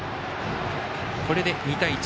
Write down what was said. これで２対１。